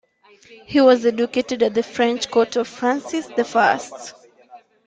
He was educated at the French court of Francis the First.